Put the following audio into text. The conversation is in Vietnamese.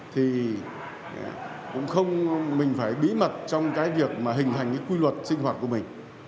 thì cũng không mình phải bí mật trong cái việc mà hình hành cái quy luật sinh hoạt của mình